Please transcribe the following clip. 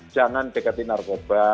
jangan dekati narkoba